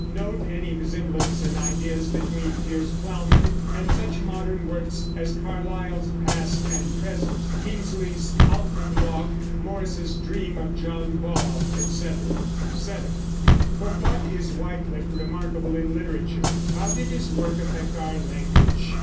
Note any resemblance in ideas between Piers Plowman and such modern works as Carlyle's Past and Present, Kingsley's Alton Locke, Morris's Dream of John Ball, etc. 7. For what is Wyclif remarkable in literature? How did his work affect our language?